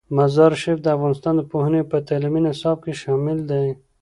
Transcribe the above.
مزارشریف د افغانستان د پوهنې په تعلیمي نصاب کې شامل دی.